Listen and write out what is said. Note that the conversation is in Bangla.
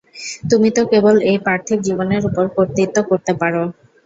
তুমি তো কেবল এই পার্থিব জীবনের উপর কর্তৃত্ব করতে পার।